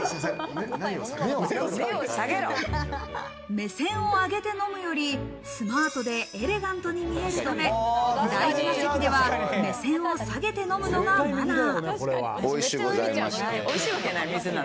目線を上げて飲むよりスマートでエレガントに見えるため、大事な席では目線を下げて飲むのがマナー。